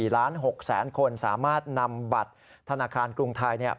๑๔ล้าน๖๐๐คนสามารถนำบัตรธนาคารกรุงไทย